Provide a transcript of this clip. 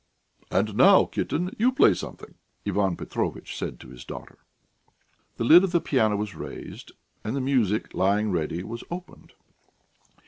"And now, Kitten, you play something," Ivan Petrovitch said to his daughter. The lid of the piano was raised and the music lying ready was opened.